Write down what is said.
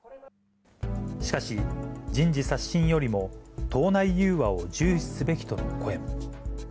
しかし、人事刷新よりも党内融和を重視すべきとの声も。